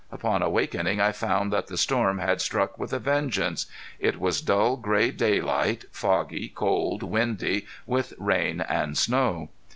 Upon awakening I found that the storm had struck with a vengeance. It was dull gray daylight, foggy, cold, windy, with rain and snow.